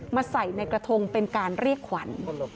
มาใส่ในกระทงเป็นการเรียกขวัญ